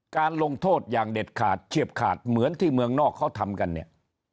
การลงโทษอย่างเด็ดขาดเฉียบขาดเหมือนที่เมืองนอกเขาทำกันเนี่ย